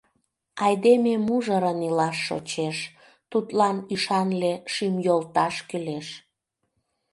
Айдеме мужырын илаш шочеш, Тудлан ӱшанле шӱм йолташ кӱлеш.